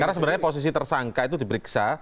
karena sebenarnya posisi tersangka itu diperiksa